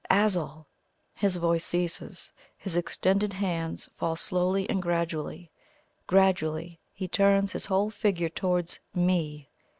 Azul!" His voice ceases, his extended hands fall slowly, and gradually, gradually he turns his whole figure towards ME.